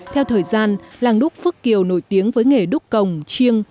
theo thời gian làng đúc phước kiều nổi tiếng với nghề đúc cồng chiêng